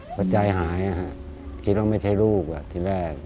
ก็ใจหายคิดว่าไม่ใช่ลูกที่แรก